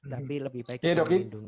tapi lebih baik kita melindungi